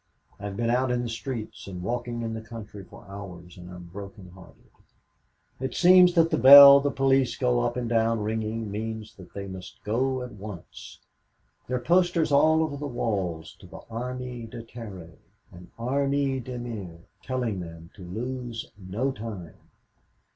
I've been out in the streets and walking in the country for hours and I'm broken hearted. It seems that the bell the police go up and down ringing means that they must go at once. There are posters all over the walls to the Armée de Terre and Armée de mer, telling them to lose no time.